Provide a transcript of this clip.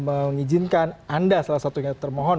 mengizinkan anda salah satunya termohon